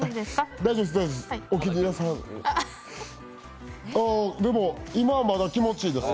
大丈夫ですか。